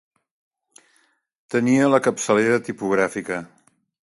Tenia la capçalera tipogràfica.